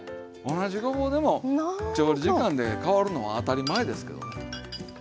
同じごぼうでも調理時間で変わるのは当たり前ですけどね。